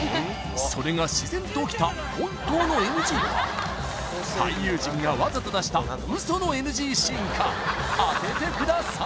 それが自然と起きた本当のＮＧか俳優陣がわざと出したウソのＮＧシーンか当ててください